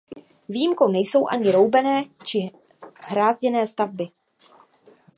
Výjimkou nejsou ani roubené či hrázděné stavby.